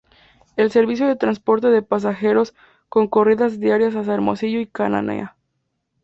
El servicio de transporte de pasajeros con corridas diarias hacia Hermosillo y Cananea.